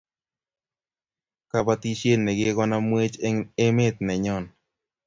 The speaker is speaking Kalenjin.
kabatishiet ne kokonamwech eng emet nenyon